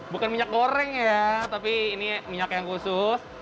bukan minyak goreng ya tapi ini minyak yang khusus